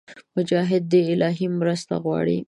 مجاهد د الهي مرسته غواړي.